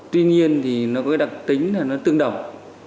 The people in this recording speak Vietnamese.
tuy nhiên thì nó có đặc tính là nó tương đồng